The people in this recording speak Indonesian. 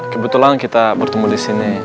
kebetulan kita bertemu disini